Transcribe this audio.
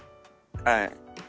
はい。